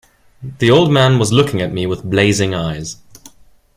The old man was looking at me with blazing eyes.